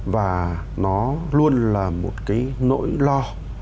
và nó luôn là một cái nỗi lo